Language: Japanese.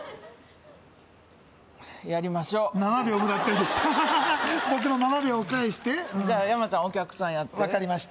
やりましょう７秒無駄遣いでした僕の７秒を返してうんじゃあ山ちゃんお客さんやって分かりました